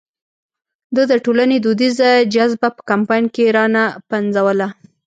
ده د ټولنې دودیزه جذبه په کمپاین کې را نه پنځوله.